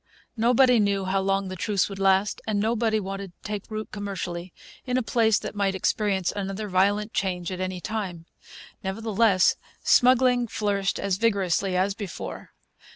Nobody knew how long the truce would last; and nobody wanted to take root commercially in a place that might experience another violent change at any time. Nevertheless, smuggling flourished as vigorously as before.